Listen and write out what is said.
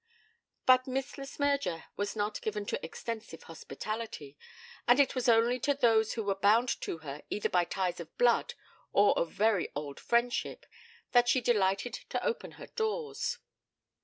But Miss Le Smyrger was not given to extensive hospitality, and it was only to those who were bound to her, either by ties of blood or of very old friendship, that she delighted to open her doors.